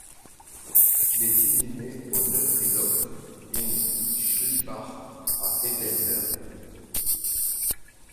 Il est inhumé au Neue Friedhof in Schlierbach à Heidelberg.